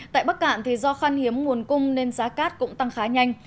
tại bắc cạn thì do khăn hiếm nguồn cung nên giá cát cũng tăng khá nhanh